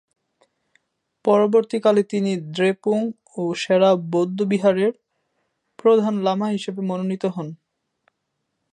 পরবর্তীকালে তিনি দ্রেপুং ও সেরা বৌদ্ধবিহারের প্রধান লামা হিসেবে মনোনীত হন।